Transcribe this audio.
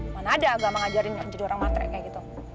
mana ada gak mengajarin jadi orang matre kayak gitu